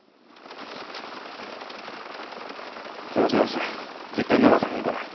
このチャンス絶対逃さへんから。